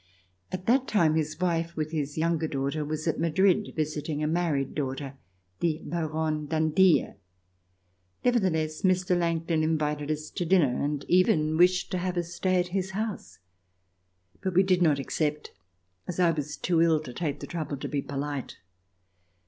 At that time his w ife with his younger daughter RECOLLECTIONS OF THE REVOLUTION was at Madrid visiting a married daughter, the Ba ronne d'Andilla. Nevertheless, Mr. Langton invited us to dinner and even wished to have us. stay at his house. But we did not accept, as I was too ill to take the trouble to be polite.